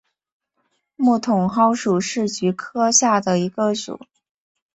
木筒篙属是菊科下的一个属。